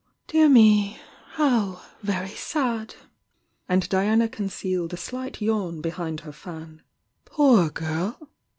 "Dear me, how very sad!" and Diana concealed a slight yawn behind her fan. "Poor girl!"